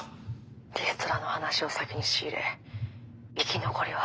「リストラの話を先に仕入れ生き残りを図ったか」。